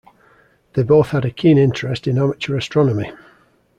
They both had a keen interest in amateur astronomy.